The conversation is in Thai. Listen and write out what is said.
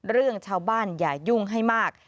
เรื่องชาวบ้านอย่ายุ่งให้มาก